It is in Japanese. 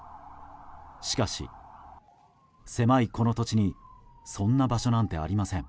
しかし、狭いこの土地にそんな場所なんてありません。